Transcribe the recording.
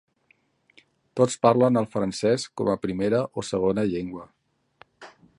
Tots parlen el francès com a primera o segona llengua.